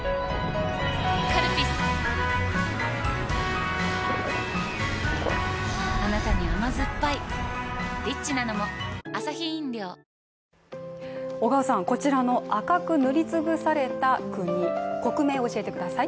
カルピスはぁあなたに甘ずっぱい小川さん、こちらの赤く塗りつぶされた国国名、教えてください？